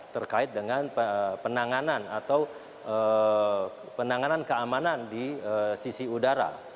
terkait dengan penanganan atau penanganan keamanan di sisi udara